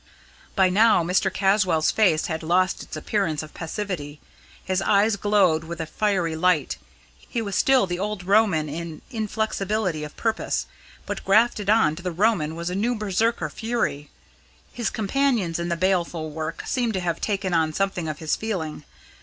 "By now Mr. Caswall's face had lost its appearance of passivity. His eyes glowed with a fiery light. He was still the old Roman in inflexibility of purpose; but grafted on to the Roman was a new Berserker fury. His companions in the baleful work seemed to have taken on something of his feeling.